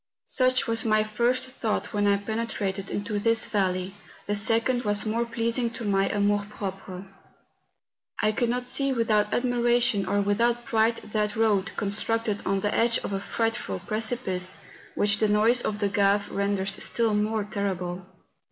Such was my first thought when I penetrated into this valley ; the second was more pleasing to my amour propre, I could not see without admiration or without pride that road, constructed on the edge of a frightful precipice, which the noise of the Gave renders still more terrible.